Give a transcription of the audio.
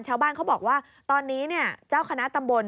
ชาวบ้านเขาบอกว่าตอนนี้เนี่ยเจ้าคณะตำบล